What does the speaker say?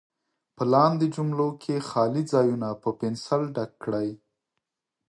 په لاندې جملو کې خالي ځایونه په پنسل ډک کړئ.